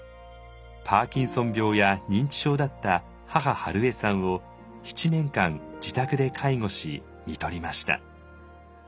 パーキンソン病や認知症だった母春恵さんを７年間自宅で介護しみとりました。